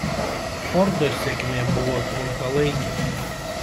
Fordo sėkmė buvo trumpalaikė.